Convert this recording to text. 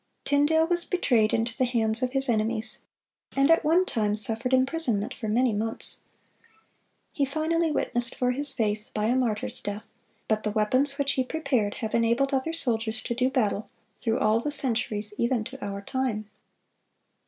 Tyndale was betrayed into the hands of his enemies, and at one time suffered imprisonment for many months. He finally witnessed for his faith by a martyr's death; but the weapons which he prepared have enabled other soldiers to do battle through all the centuries even to our time.